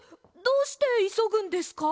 どうしていそぐんですか？